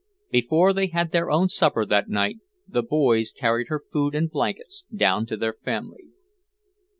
Before they had their own supper that night, the boys carried hot food and blankets down to their family.